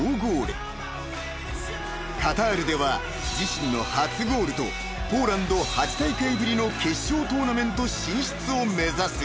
［カタールでは自身の初ゴールとポーランド８大会ぶりの決勝トーナメント進出を目指す］